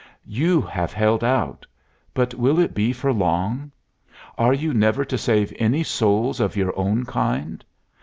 You have held out. But will it be for long? Are you never to save any souls of your own kind?